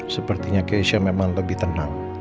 sepertinya keisha memang lebih tenang